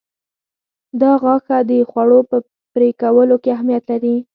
دا غاښه د خوړو په پرې کولو کې اهمیت لري.